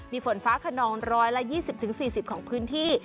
มีฝนฟ้าขนอง๑๒๐๔๐ของพื้นที่